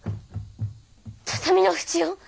畳の縁を？